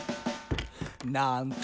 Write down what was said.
「なんと！